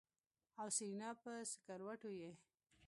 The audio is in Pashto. ای سېرېنا په سکروټو يې.